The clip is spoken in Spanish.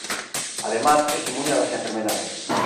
Además, es inmune a las enfermedades.